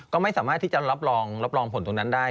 ก็ไม่สามารถที่จะรับรองรับรองผลตรงนั้นได้